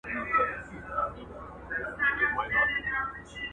خزان له پېغلو پېزوانونو سره لوبي کوي!.